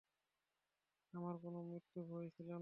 আমার কোনো মৃত্যুভয় ছিল না।